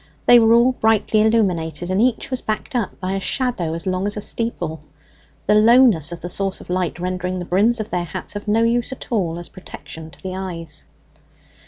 They were all brightly illuminated, and each was backed up by a shadow as long as a steeple; the lowness of the source of light rendering the brims of their hats of no use at all as a protection to the eyes.